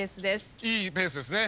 いいペースですね。